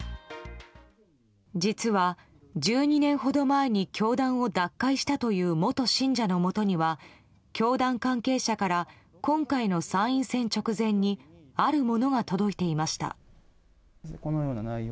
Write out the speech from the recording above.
実は１２年ほど前に教団を脱会したという元信者のもとには教団関係者から今回の参院選直前にあるものが届いていました。